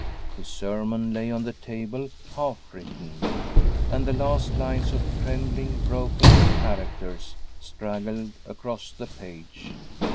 His sermon lay on the table half written, and the last lines of trembling, broken characters straggled across the page.